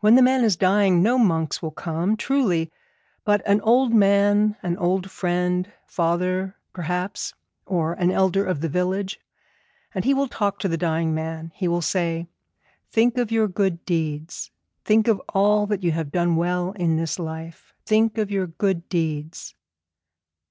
When the man is dying no monks will come, truly; but an old man, an old friend, father, perhaps, or an elder of the village, and he will talk to the dying man. He will say, "Think of your good deeds; think of all that you have done well in this life. Think of your good deeds."'